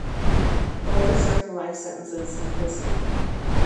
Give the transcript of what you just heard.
Both are serving life sentences in prison.